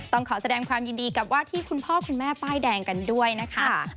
ขอแสดงความยินดีกับว่าที่คุณพ่อคุณแม่ป้ายแดงกันด้วยนะคะ